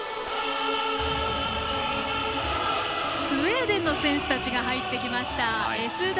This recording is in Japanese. スウェーデンの選手たちが入ってきました。